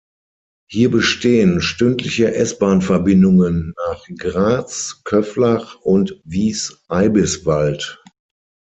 Hier bestehen stündliche S-Bahn-Verbindungen nach Graz, Köflach und Wies-Eibiswald.